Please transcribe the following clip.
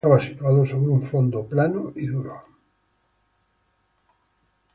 Estaba situado sobre un fondo plano y duro.